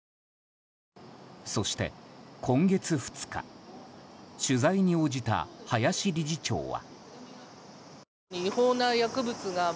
そして今月２日取材に応じた林理事長は。